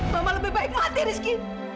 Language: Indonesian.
mama lebih baik mati rizky